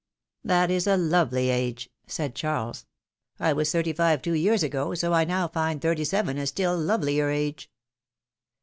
That is the lovely age !" said Charles. was thirty five two years ago, so I now find thirty seven a still love lier age."